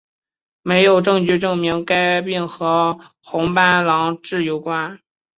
没有证据证明该病和红斑狼疮有关。